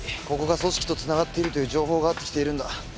ここが組織とつながっているという情報があって来ているんだ。